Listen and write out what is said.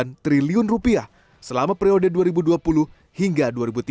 hingga satu ratus enam puluh sembilan triliun rupiah selama periode dua ribu dua puluh hingga dua ribu tiga puluh